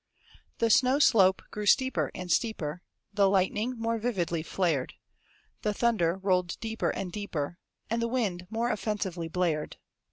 The snow slope grew steeper and steeper; The lightning more vividly flared; The thunder rolled deeper and deeper; And the wind more offensively blared.